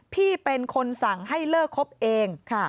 พี่เป็นคนสั่งให้เลิกคบเอง